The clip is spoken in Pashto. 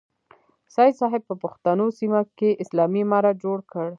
سید صاحب په پښتنو سیمه کې اسلامي امارت جوړ کړ.